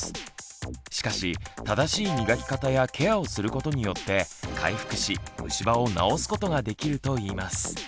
しかし正しい磨き方やケアをすることによって回復しむし歯を治すことができるといいます。